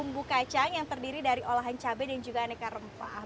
bumbu kacang yang terdiri dari olahan cabai dan juga aneka rempah